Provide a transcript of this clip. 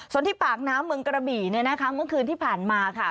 ส่วนที่ปากน้ำเมืองกระบี่เนี่ยนะคะเมื่อคืนที่ผ่านมาค่ะ